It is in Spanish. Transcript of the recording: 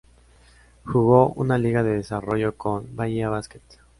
Jugó una Liga de Desarrollo con Bahía Basket.